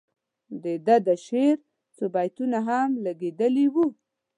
د ده د شعر څو بیتونه هم لګیدلي وو.